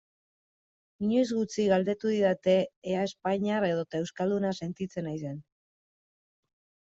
Inoiz gutxi galdetu didate ea espainiar edota euskalduna sentitzen naizen.